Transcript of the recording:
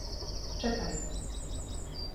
- Czekaj.